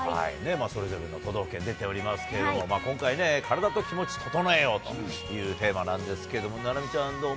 それぞれの都道府県出ておりますけれども、今回ね、カラダとキモチ整えようというテーマなんですけれども、菜波ちゃん、どう？